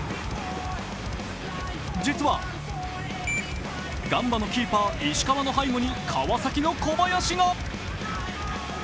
実は、ガンバのキーパー石川の背後に川崎の小林が。